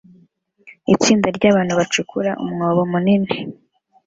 Itsinda ryabantu bacukura umwobo munini